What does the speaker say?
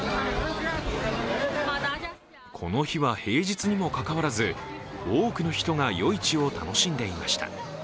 この日は平日にも関わらず、多くの人が夜市を楽しんでいました。